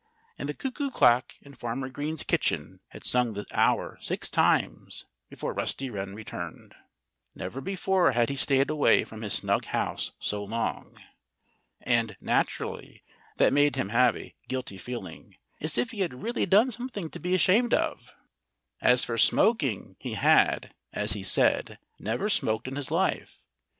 And the cuckoo clock in Farmer Green's kitchen had sung the hour six times before Rusty Wren returned. Never before had he stayed away from his snug house so long. And, naturally, that made him have a guilty feeling, as if he had really done something to be ashamed of. As for smoking, he had (as he said) never smoked in his life.